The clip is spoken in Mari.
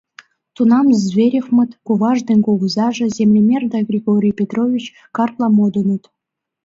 Тунам Зверевмыт — куваж ден кугызаже — землемер да Григорий Петрович картла модыныт.